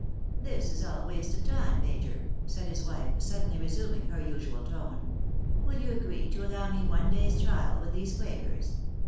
" This is all waste of time, major," said his wife, suddenly resuming her usual tone. " WiU you agree to allow me one day's trial with these quakers